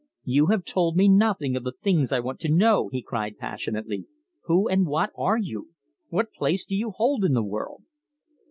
"You have told me nothing of the things I want to know," he cried passionately. "Who and what are you? What place do you hold in the world?"